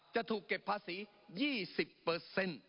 จะถูกเก็บภาษี๒๐เปอร์เซ็นต์